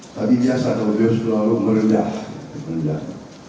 tapi biasa selalu meriah